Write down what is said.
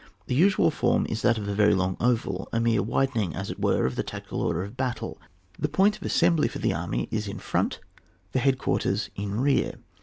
The usual form is that of a very long oval, a mere widen ing as it were of the tactical order of battle. The point of assembly for the army is in front, the head quarters in rear.